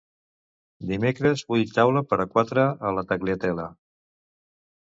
Dimecres vull taula per quatre a la Tagliatella.